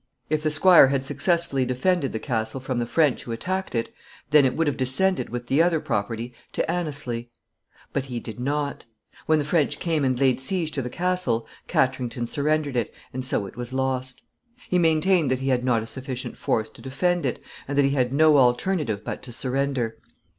If the squire had successfully defended the castle from the French who attacked it, then it would have descended with the other property to Anneslie. But he did not. When the French came and laid siege to the castle, Katrington surrendered it, and so it was lost. He maintained that he had not a sufficient force to defend it, and that he had no alternative but to surrender.